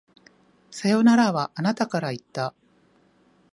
さよならは、あなたから言った。